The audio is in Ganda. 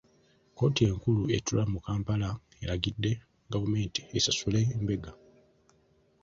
Kkooti enkulu etuula mu Kampala eragidde gavumenti esasule mbega.